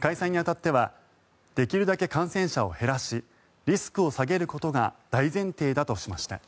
開催に当たってはできるだけ感染者を減らしリスクを下げることが大前提だとしました。